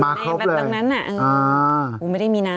แบบตรงนั้นไม่ได้มีน้ำ